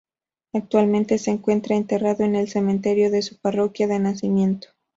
Actualmente se encuentra enterrado en el cementerio de su Parroquia de nacimiento.